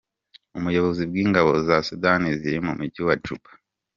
Umuyobozi bw’ingabo za Sudani ziri mu mujyi wa Juba,